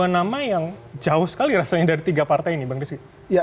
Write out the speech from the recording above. dua nama yang jauh sekali rasanya dari tiga partai ini bang desi